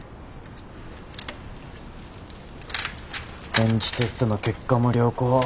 ベンチテストの結果も良好。